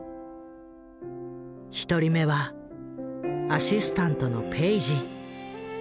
１人目はアシスタントのペイジ。